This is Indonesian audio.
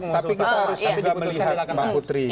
tapi kita harus juga melihat mbak putri